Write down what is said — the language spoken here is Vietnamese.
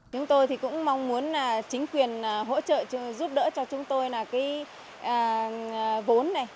chúng tôi cũng mong muốn chính quyền hỗ trợ giúp đỡ cho chúng tôi vốn này